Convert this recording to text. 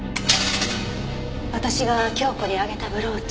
私が京子にあげたブローチ。